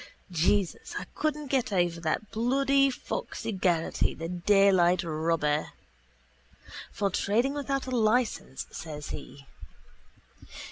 Jesus, I couldn't get over that bloody foxy Geraghty, the daylight robber. For trading without a licence, says he.